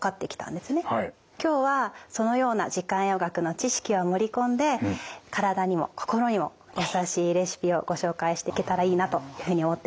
今日はそのような時間栄養学の知識を盛り込んで体にも心にも優しいレシピをご紹介していけたらいいなというふうに思っています。